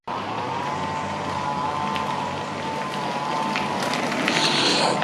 গতকাল শনিবার সকালে ক্যাম্পাস থেকে বিশ্ববিদ্যালয় প্রশাসনের সহায়তায় পুলিশ তাঁদের গ্রেপ্তার করে।